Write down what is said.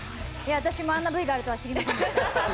私もあんなＶがあるとは知りませんでした。